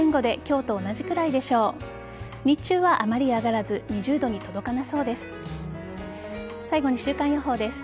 日中はあまり上がらず２０度に届かなそうです。